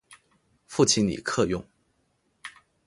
父亲李克用。